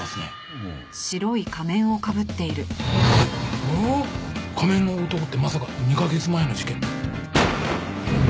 仮面の男ってまさか２カ月前の事件の。